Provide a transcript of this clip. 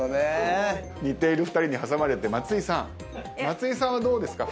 似ている２人に挟まれて松井さんどうですか？